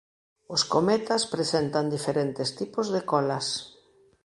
Os cometas presentan diferentes tipos de colas.